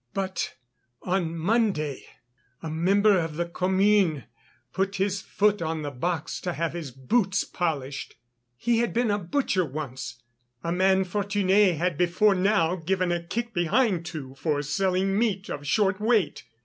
"But on Monday a Member of the Commune put his foot on the box to have his boots polished. He had been a butcher once, a man Fortuné had before now given a kick behind to for selling meat of short weight.